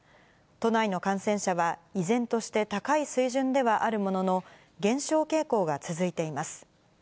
都内の感染者は、依然として高い水準ではあるものの、減少傾向が続いています。